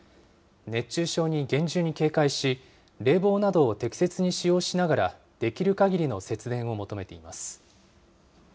熱中症に厳重に警戒し、冷房などを適切に使用しながら、できるかぎりの節電を求めています。